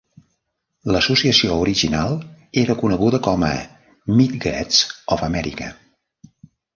L'associació original era coneguda com a "Midgets of America".